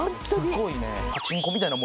すごいね。